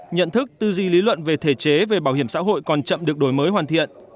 nhận thức tư duy lý luận về thể chế về bảo hiểm xã hội còn chậm được đổi mới hoàn thiện